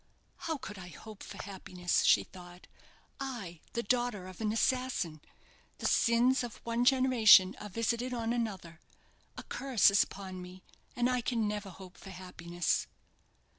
"How could I hope for happiness?" she thought; "I, the daughter of an assassin! The sins of one generation are visited on another. A curse is upon me, and I can never hope for happiness."